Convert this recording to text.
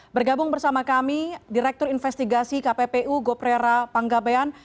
bergabung bersama kami direktur investigasi kppu goprera panggabean